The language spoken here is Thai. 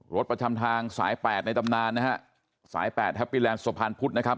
รถประชำทางสาย๘ในตำนานนะฮะสาย๘แฮปปี้แลนด์สวรรพันธ์พุทธนะครับ